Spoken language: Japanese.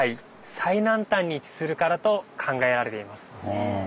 位置するからと考えられています。